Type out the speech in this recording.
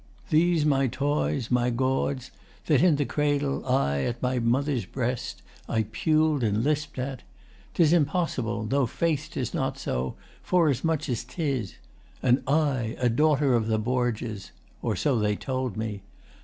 These my toys, my gauds, That in the cradle aye, 't my mother's breast I puled and lisped at, 'Tis impossible, Tho', faith, 'tis not so, forasmuch as 'tis. And I a daughter of the Borgias! Or so they told me.